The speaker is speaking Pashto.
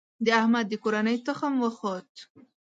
د احمد د کورنۍ تخم وخوت.